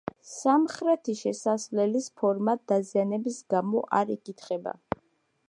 სამხრეთი შესასვლელის ფორმა დაზიანების გამო არ იკითხება.